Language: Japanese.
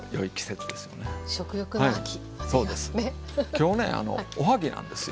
今日ねおはぎなんですよ。